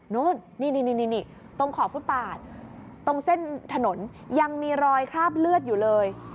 นู่นนี่ตรงขอบฟุตปาดตรงเส้นถนนยังมีรอยคราบเลือดอยู่เลย